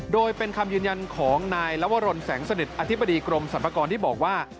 โดยเป็นคำยืนยันของนายลวรนแสงสนิทอธิบดีกรมสรรพากรที่บอกว่า